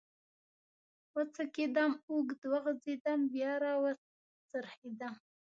و څکېدم، اوږد وغځېدم، بیا را و څرخېدم.